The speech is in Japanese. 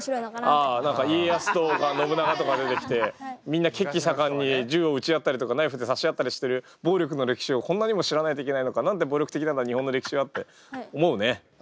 ああ何か家康とか信長とか出てきてみんな血気盛んに銃を撃ち合ったりとかナイフで刺し合ったりしてる暴力の歴史をこんなにも知らないといけないのか何で暴力的なんだ日本の歴史はって思うね。